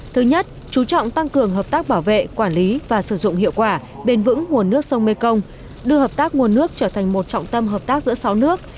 thứ nhất chú trọng tăng cường hợp tác bảo vệ quản lý và sử dụng hiệu quả bền vững nguồn nước sông mekong đưa hợp tác nguồn nước trở thành một trọng tâm hợp tác giữa sáu nước